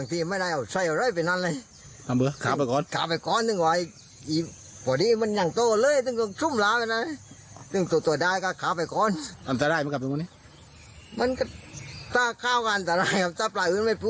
ถ้าผลักช้อนไม่เป็นบางที่ลงลงไปเลยลงทองกันเลยได้ครับอืม